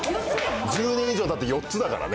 １０年以上たって４つだからね。